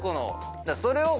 それを。